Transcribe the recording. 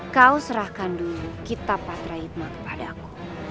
kau serahkan dulu kitab patra hikmah kepada aku